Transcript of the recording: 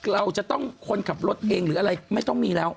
เราจะต้องคนขับรถเองไม่ต้องมีแล้ว